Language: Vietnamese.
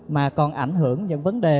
mà còn ảnh hưởng những vấn đề